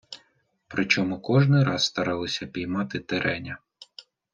Причому кожний раз старались піймати Тереня.